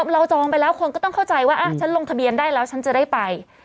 จองไปแล้วคนก็ต้องเข้าใจว่าฉันลงทะเบียนได้แล้วฉันจะได้ไป